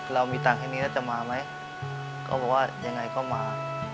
เรามีตังค์แค่นี้แล้วจะมาไหมเขาบอกว่ายังไงก็มา